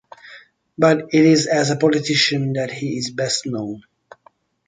But it is as a politician that he is best known.